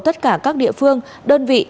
tất cả các địa phương đơn vị